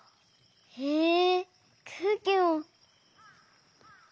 へえくうきも！